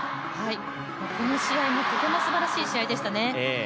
この試合もとてもすばらしい試合でしたね。